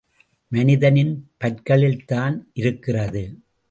மனிதனின் பற்களில்தான் இருக்கிறது.